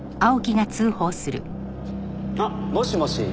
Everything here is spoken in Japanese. あっもしもし。